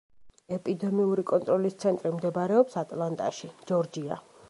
ეპიდემიური კონტროლის ცენტრი მდებარეობს ატლანტაში, ჯორჯია.